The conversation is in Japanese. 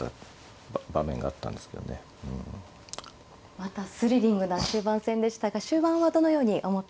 またスリリングな終盤戦でしたが終盤はどのように思っていらっしゃいましたか。